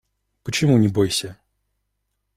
Почему не бойся?